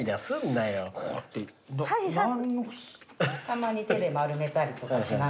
たまに手で丸めたりとかしながら。